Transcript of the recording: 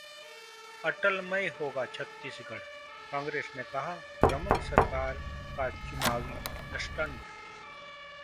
अटलमय होगा छत्तीसगढ़, कांग्रेस ने कहा- रमन सरकार का चुनावी स्टंट